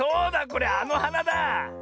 これあのはなだあ。